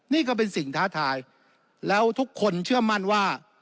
นี่ก็เป็นสิ่งท้าทายแล้วทุกคนเชื่อมั่นว่า